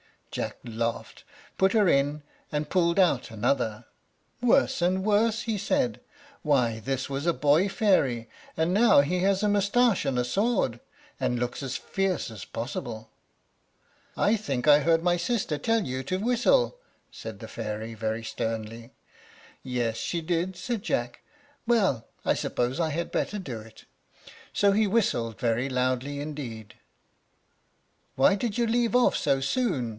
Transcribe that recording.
Jack laughed, put her in, and pulled out another. "Worse and worse," he said; "why, this was a boy fairy, and now he has a mustache and a sword, and looks as fierce as possible!" "I think I heard my sister tell you to whistle?" said this fairy, very sternly. "Yes, she did," said Jack. "Well, I suppose I had better do it." So he whistled very loudly indeed. "Why did you leave off so soon?"